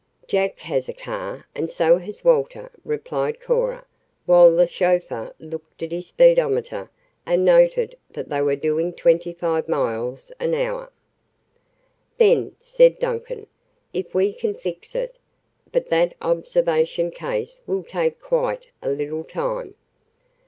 "Jack has a car, and so has Walter," replied Cora, while the chauffeur looked at his speedometer and noted that they were doing twenty five miles an hour. "Then," said Duncan, "if we can fix it But that observation case will take quite a little time."